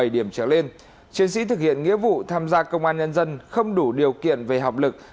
bảy điểm trở lên chiến sĩ thực hiện nghĩa vụ tham gia công an nhân dân không đủ điều kiện về học lực